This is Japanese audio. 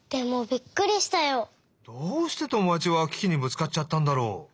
どうしてともだちはキキにぶつかっちゃったんだろう？